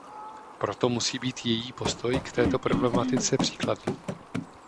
Proto musí být její postoj k této problematice příkladný.